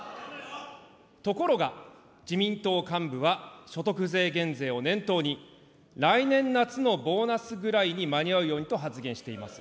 ところが、自民党幹部は、所得税減税を念頭に、来年夏のボーナスぐらいに間に合うようにと発言しています。